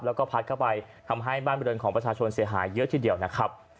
แล้วก็พัดเข้าไปทำให้บ้านบริเวณของประชาชนเสียหายเยอะทีเดียวนะครับ